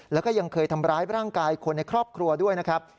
แล้วก็ยังเคยทำร้ายร่างกายคนในครอบครัวด้วยนะครับ